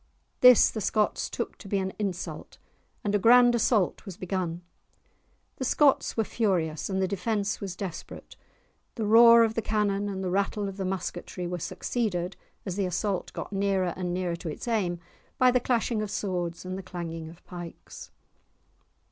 This the Scots took to be an insult, and a grand assault was begun. The Scots were furious, and the defence was desperate. The roar of the cannon and the rattle of the musketry were succeeded, as the assault got nearer and nearer to its aim, by the clashing of swords and the clanging of pikes.